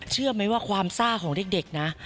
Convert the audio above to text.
เชื่อไหมว่าความซ่าของเด็กนะ